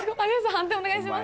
判定お願いします。